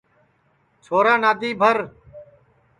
چھورا نادی بھر